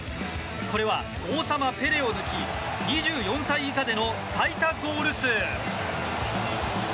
これは王様ペレを抜き２４歳以下での最多ゴール数。